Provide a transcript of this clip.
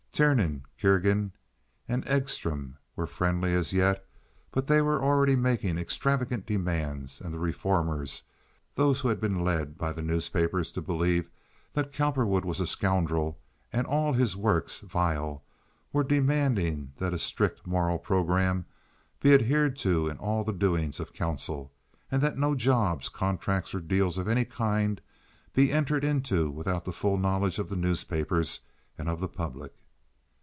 Tiernan, Kerrigan, and Edstrom were friendly as yet; but they were already making extravagant demands; and the reformers—those who had been led by the newspapers to believe that Cowperwood was a scoundrel and all his works vile—were demanding that a strictly moral programme be adhered to in all the doings of council, and that no jobs, contracts, or deals of any kind be entered into without the full knowledge of the newspapers and of the public.